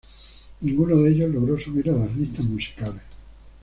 Ninguno de ellos logró subir a las listas musicales.